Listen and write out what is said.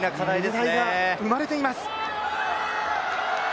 課題が生まれています。